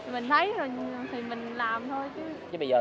mình thấy rồi thì mình làm thôi chứ